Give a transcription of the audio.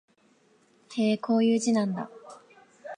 へえ、こういう字なんだ